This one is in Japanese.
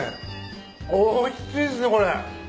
おいしいっすねこれ。